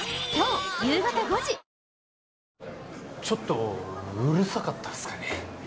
ちょっとうるさかったっすかね